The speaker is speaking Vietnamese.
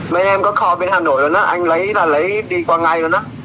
mấy em có kho bên hà nội luôn á anh lấy là lấy đi qua ngay luôn á